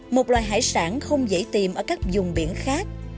một loài hải sản không dễ tìm ở các dùng biển khác